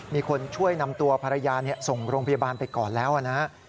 มีคนช่วยนำตัวภรรยาส่งโรงพยาบาลไปก่อนแล้วนะครับ